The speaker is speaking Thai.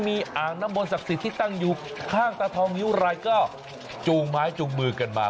มีอ่างน้ำมนสักษิตที่ตั้งอยู่ข้างตาทองเฮียวไรก็จูงไม้จูงมือกันมา